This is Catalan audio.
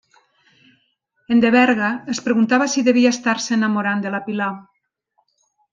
En Deberga es preguntava si devia estar-se enamorant de la Pilar.